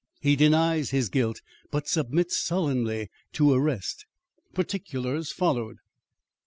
He Denies His Guilt But Submits Sullenly to Arrest. Particulars followed.